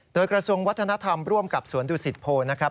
โดยกระทรวงวัฒนธรรมร่วมกับสวนดุสิตโพนะครับ